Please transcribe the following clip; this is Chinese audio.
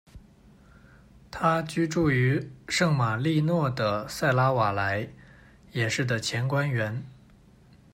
他居住于圣马利诺的塞拉瓦莱，也是的前官员。